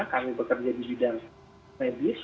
kami bekerja di bidang medis